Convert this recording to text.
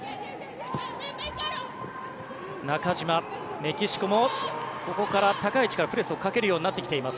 メキシコも高い位置からプレスをかけるようになってきています。